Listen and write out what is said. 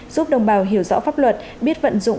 giúp đồng bào hiểu rõ pháp luật biết vận dụng